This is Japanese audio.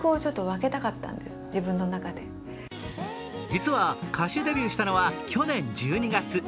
実は歌手デビューしたのは去年１２月。